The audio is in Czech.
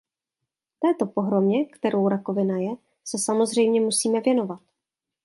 Této pohromě, kterou rakovina je, se samozřejmě musíme věnovat.